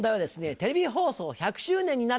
「テレビ放送１００周年になった。